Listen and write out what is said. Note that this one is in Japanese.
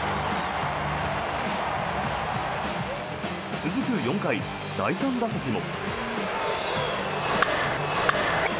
続く４回、第３打席も。